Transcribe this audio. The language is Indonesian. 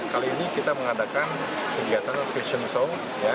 kali ini kita mengadakan kegiatan fashion show